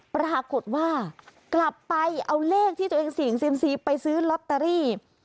ปรากฏว่ากลับไปเอาเลขที่ตัวเองเสี่ยงเซียมซีไปซื้อลอตเตอรี่